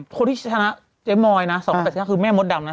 คนที่ชนะเจ๊มอยนะ๒๐๘๕คือแม่มดดำนะ